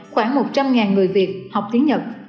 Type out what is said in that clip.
khoảng một trăm linh người việt học tiếng nhật